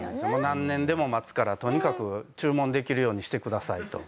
何年でも待つからとにかく注文できるようにしてくださいと。